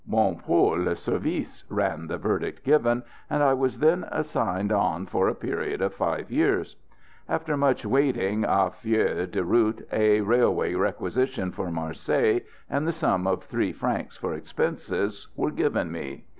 "Bon pour le service," ran the verdict given, and I was then signed on for a period of five years. After much waiting a feuille de route, a railway requisition for Marseilles, and the sum of three francs for expenses, were given me.